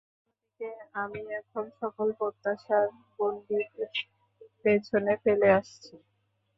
অন্যদিকে, আমি এখন সকল প্রত্যাশার গন্ডি পেছনে ফেলে আসছি।